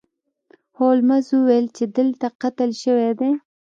هولمز وویل چې دلته قتل شوی دی.